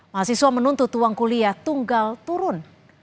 mahasiswa menuntut uang kuliah tunggal turun